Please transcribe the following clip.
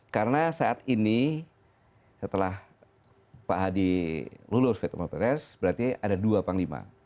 karena saat ini setelah pak adi lulus vita mbak petra berarti ada dua panglima